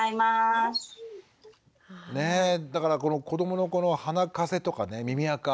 ねえだからこの子どものこの鼻風邪とかね耳あか。